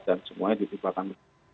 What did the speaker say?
dan semuanya ditipu akan